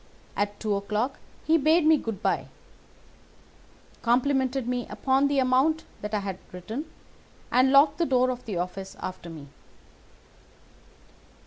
At two o'clock he bade me good day, complimented me upon the amount that I had written, and locked the door of the office after me.